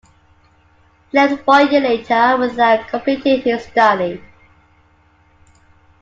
He left one year later without completing his study.